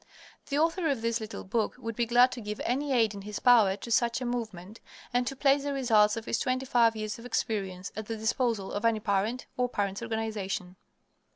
The author of this little book would be glad to give any aid in his power to such a movement, and to place the results of his twenty five years of experience at the disposal of any parent, or parents' organization.